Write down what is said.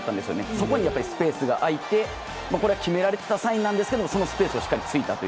そこにスペースが空いて決められたサインなんですけどそこのスペースをしっかり突いたと。